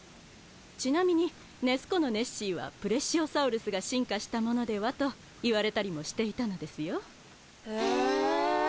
ちなみにネス湖のネッシーはプレシオサウルスが進化したものではと言われたりもしていたのですよへえ